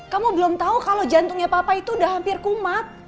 kamu belum tahu kalau jantungnya papa itu udah hampir kumat